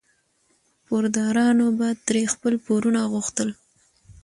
پوردارانو به ترې خپل پورونه غوښتل.